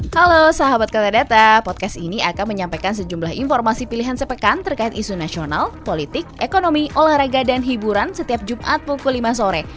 halo sahabat kata podcast ini akan menyampaikan sejumlah informasi pilihan sepekan terkait isu nasional politik ekonomi olahraga dan hiburan setiap jumat pukul lima sore